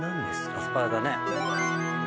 アスパラだね。